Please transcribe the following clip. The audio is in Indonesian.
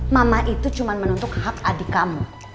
mama itu cuma menuntut hak adik kamu